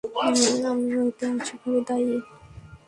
আমিও এতে আংশিকভাবে দায়ী।